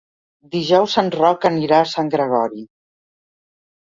Dijous en Roc anirà a Sant Gregori.